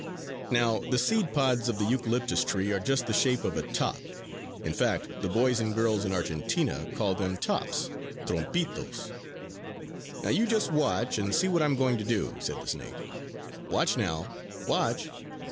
Now the seed pods of the eucalyptus tree are just the shape of a top; in fact, the boys and girls in Argentina call them "tops" trompitos! "Now you just watch and see what I'm a going to do," said the snake. "Watch now! Watch!..."